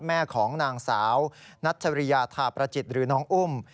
แม่ของนางสาวนัชริยาธาประจิตหรือน้องอุ้ม